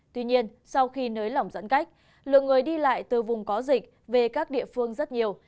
tuy nhiên sau khi nới lỏng giãn cách lượng người đi lại từ vùng có dịch về các địa phương rất nhiều